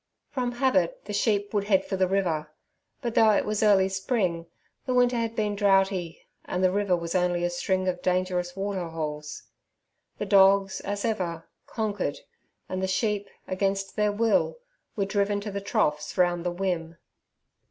From habit the sheep would head for the river, but, though it was early spring, the winter had been droughty, and the river was only a string of dangerous water holes. The dogs, as ever, conquered, and the sheep, against their will, were driven to the troughs round the wim.